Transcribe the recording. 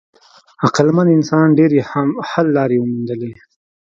عقلمن انسان ډېرې حل لارې وموندلې.